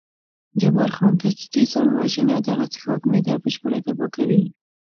جبار خان: تدریجي ځان وژنه، دغه څښاک معده بشپړه تباه کوي.